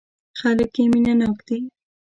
خلک یې مینه ناک دي.